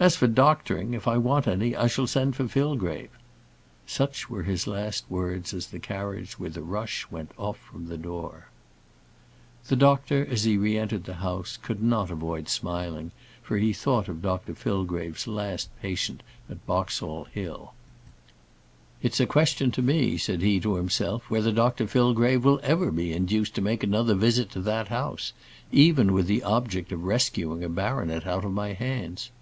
As for doctoring, if I want any I shall send for Fillgrave." Such were his last words as the carriage, with a rush, went off from the door. The doctor, as he re entered the house, could not avoid smiling, for he thought of Dr Fillgrave's last patient at Boxall Hill. "It's a question to me," said he to himself, "whether Dr Fillgrave will ever be induced to make another visit to that house, even with the object of rescuing a baronet out of my hands."